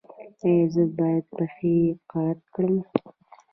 ایا زه باید پښې قات کړم؟